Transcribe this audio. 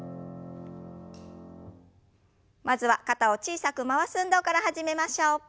まずは肩を小さく回す運動から始めましょう。